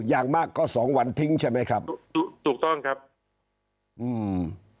อย่างมากก็สองวันทิ้งใช่ไหมครับถูกต้องครับอืม